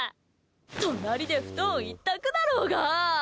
隣で布団一択だろうが！